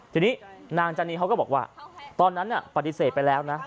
ทีนี้นางจานีเขาก็บอกว่าตอนนั้นปฏิเสธไปแล้วนะ